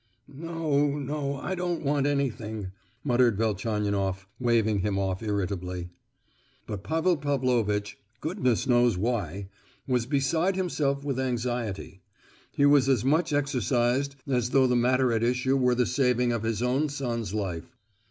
"No, no; I don't want anything," muttered Velchaninoff, waving him off irritably. But Pavel Pavlovitch—goodness knows why—was beside himself with anxiety; he was as much exercised as though the matter at issue were the saving of his own son's life.